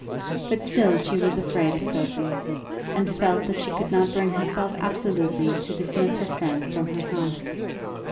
But still she was afraid of Sophie, and felt that she could not bring herself absolutely to dismiss her friend from her house.